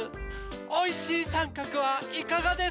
おいしいさんかくはいかがですか？